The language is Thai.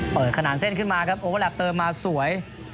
ขนาดเส้นขึ้นมาครับโอเวอร์แลปเติมมาสวย